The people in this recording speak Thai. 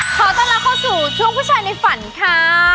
เค้าจะลองเข้าสู่ช่วงผู้ชายในฝันค่ะ